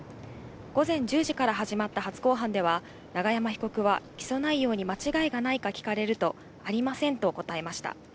午前１０時から始まった初公判では、永山被告は起訴内容に間違いがないか聞かれると、ありませんと答えました。